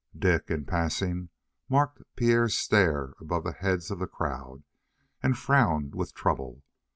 Dick, in passing, marked Pierre's stare above the heads of the crowd, and frowned with trouble.